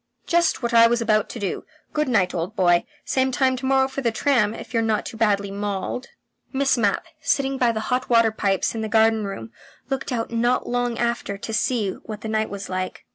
"Just what I was about to do. Good night, old boy. Same time to morrow for the tram, if you're not too badly mauled." Miss Mapp, sitting by the hot water pipes in the garden room, looked out not long after to see what the night was like.